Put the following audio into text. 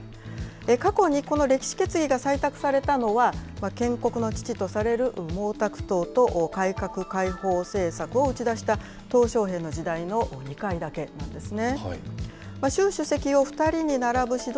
過去にこの歴史決議が採択されたのは、建国の父とされる毛沢東と改革開放政策を打ち出したとう小平の時代の２回だけなんですね。